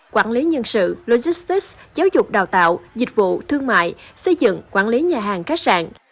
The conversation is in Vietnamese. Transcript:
quản lý nhân sự logistics giáo dục đào tạo dịch vụ thương mại xây dựng quản lý nhà hàng khách sạn